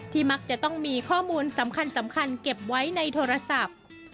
มักจะต้องมีข้อมูลสำคัญเก็บไว้ในโทรศัพท์